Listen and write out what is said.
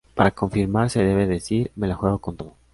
Para confirmar se debe decir "¡Me la juego con todo!".